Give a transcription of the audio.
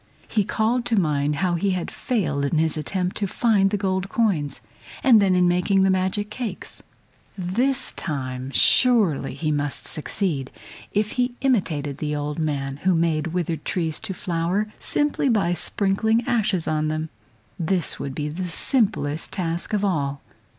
He called to mind how he had failed in his attempt to find the gold coins, and then in making the magic cakes; this time surely he must succeed if he imitated the old man, who made withered trees to flower simply by sprinkling ashes on them. This would be the simplest task of all.